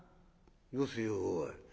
「よせよおい。